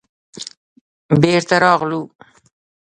بېرته راغلو.